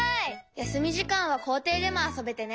やすみじかんはこうていでもあそべてね。